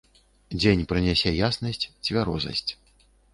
Дзень прынясе яснасць, цвярозасць.